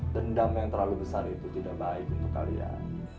dendam yang terlalu besar itu tidak baik untuk kalian